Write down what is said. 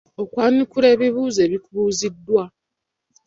Okwanukula ebibuuzo ebikubuuziddwa.